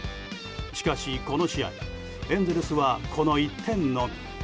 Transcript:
しかし、この試合エンゼルスはこの１点のみ。